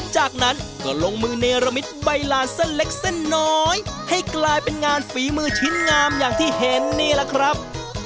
จากนั้นก็ลงมือเนรมิตใบลานเส้นเล็กเส้นน้อยให้กลายเป็นงานฝีมือชิ้นงามอย่างที่เห็นนี่แหละครับ